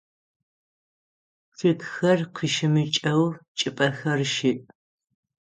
Чъыгхэр къыщымыкӏэу чӏыпӏэхэр щыӏ.